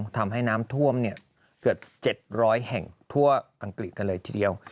ทำให้น้ำท่วมเกือบ๗๐๐แห่งทั่วอังกฤษกันเลยทีเดียว